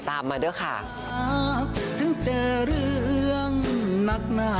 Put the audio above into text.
ตามมาเด้อค่ะ